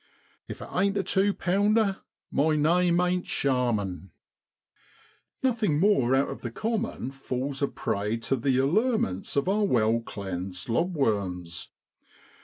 If it ain't a tew pounder, my name ain't Sharman !' Nothing more out of the common falls a prey to the allurements of our well cleansed lob worms.